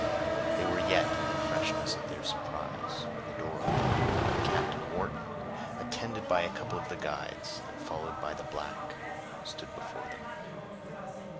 They were yet in the freshness of their surprise, when the door opened, and Captain Wharton, attended by a couple of the guides, and followed by the black, stood before them.